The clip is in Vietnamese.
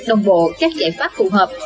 đồng bộ các giải pháp phù hợp